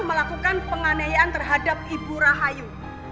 melakukan penganiayaan terhadap ibu rahayu